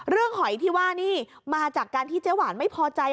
หอยที่ว่านี่มาจากการที่เจ๊หวานไม่พอใจ